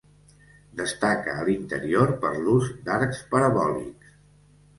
Destaca, a l'interior, per l'ús d'arcs parabòlics.